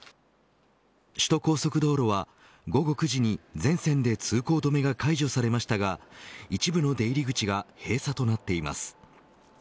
首都高速道路は午後９時に全線で通行止めが解除されましたが一部の出入り口が閉鎖となっています。